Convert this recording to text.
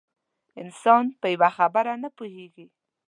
انسان په یوه خبره نه پوهېږي.